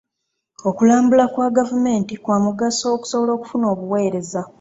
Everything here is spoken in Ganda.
Okulambula kwa gavumenti kwa mugaso okusobola okufuna obuweereza.